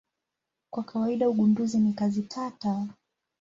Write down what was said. Kwa kawaida ugunduzi ni kazi tata.